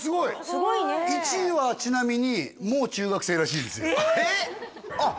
すごいね１位はちなみにもう中学生らしいですよええっ！？